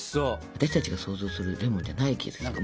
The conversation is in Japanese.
私たちが想像するレモンじゃない気がするね。